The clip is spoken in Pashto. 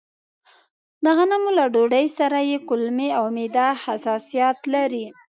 د غنمو له ډوډۍ سره يې کولمې او معده حساسيت لري.